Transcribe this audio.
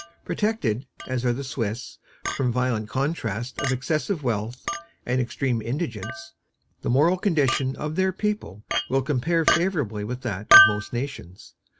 Protected, as are the Swiss, from violent contrasts of excessive wealth and extreme indigence, the moral condition of their people will compare favorably with that of most nations.